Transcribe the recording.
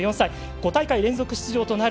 ５大会連続出場となる